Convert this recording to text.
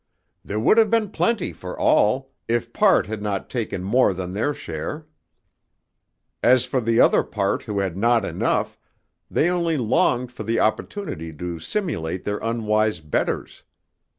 There would have been plenty for all, if part had not taken more than their share; as for the other part who had not enough, they only longed for the opportunity to simulate their unwise betters.